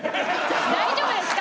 大丈夫ですか？